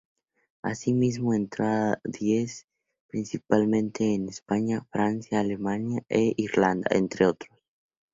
Asimismo entró a las diez principales en España, Francia, Alemania e Irlanda, entre otros.